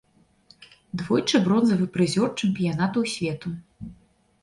Двойчы бронзавы прызёр чэмпіянатаў свету.